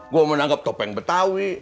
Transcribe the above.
gue mau nanggep topeng betawi